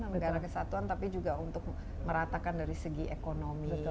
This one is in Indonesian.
negara kesatuan tapi juga untuk meratakan dari segi ekonomi